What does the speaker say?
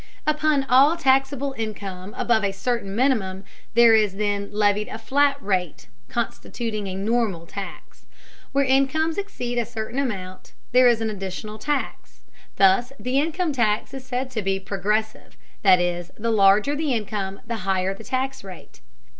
Upon all taxable income above a certain minimum there is then levied a flat rate, constituting a "normal" tax. Where incomes exceed a certain amount, there is an additional tax. Thus the income tax is said to be "progressive," that is, the larger the income the higher the tax rate.